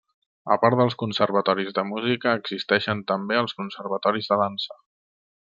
A part dels conservatoris de música existeixen també els conservatoris de dansa.